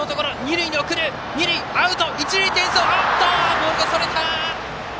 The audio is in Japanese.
ボールがそれた！